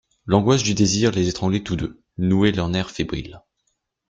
L'angoisse du désir les étranglait tous deux, nouait leurs nerfs fébriles.